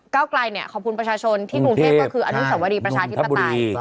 เก้าไกรเนี่ยขอบคุณประชาชนที่กรุงเทพก็คืออสวดีประชาธิปไตย